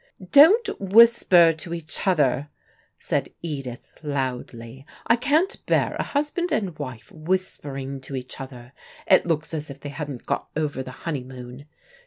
"Don't whisper to each other," said Edith loudly. "I can't bear a husband and wife whispering to each other. It looks as if they hadn't got over the honeymoon.